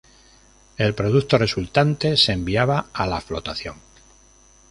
El producto resultante se enviaba a la Flotación.